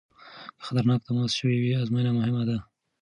که خطرناک تماس شوی وي ازموینه مهمه ده.